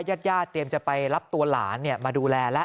ญาติญาติเตรียมจะไปรับตัวหลานมาดูแลแล้ว